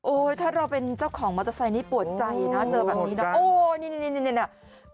โอ้ยถ้าเราเป็นเจ้าของมอเตอร์ไซค์นี้ปวดใจนะเจอแบบนี้นะโอ้ยนี่นี่นี่นี่นี่นี่นี่